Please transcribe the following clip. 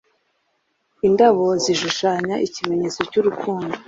indabo zishushanya ikimenyetso cy’urukundo